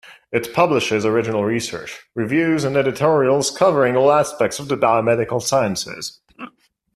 It publishes original research, reviews, and editorials covering all aspects of the biomedical sciences.